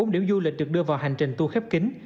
bốn điểm du lịch được đưa vào hành trình tour khép kính